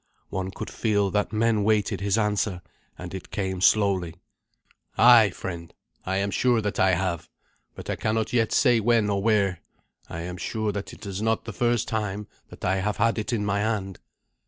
One could feel that men waited his answer, and it came slowly. "Ay, friend, I am sure that I have, but I cannot yet say when or where. I am sure that it is not the first time that I have had it in my hand."